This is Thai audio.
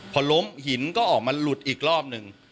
พอล้มหินก็ออกมาหลุดอีกรอบหนึ่ง